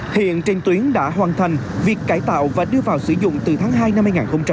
hiện trên tuyến đã hoàn thành việc cải tạo và đưa vào sử dụng từ tháng hai năm hai nghìn hai mươi